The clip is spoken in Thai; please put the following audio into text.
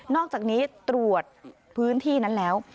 อกจากนี้ตรวจพื้นที่นั้นแล้ว